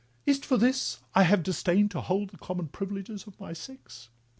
'Is it for this I have disdain'd to hold The common privileges of my sex?